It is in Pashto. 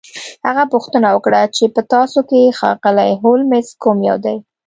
هغه پوښتنه وکړه چې په تاسو کې ښاغلی هولمز کوم یو دی